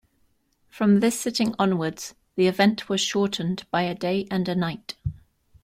From this sitting onwards, the event was shortened by a day and a night.